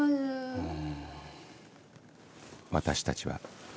うん。